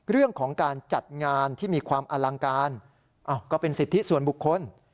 เรื่องของการจัดงานที่มีความอลังการก็เป็นสิทธิส่วนบุคคล